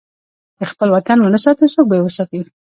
که خپل وطن ونه ساتو، څوک به یې وساتي؟